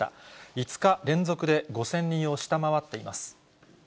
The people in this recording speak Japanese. ５日連続で、５０００人を下回っています。